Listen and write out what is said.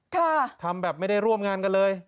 ทำแบบไม่ได้ร่วมงานกันเลย